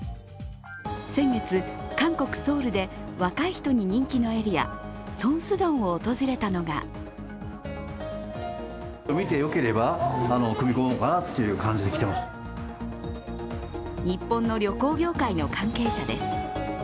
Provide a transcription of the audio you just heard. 先月、韓国・ソウルで若い人に人気のエリアソンスドンを訪れたのが日本の旅行業界の関係者です。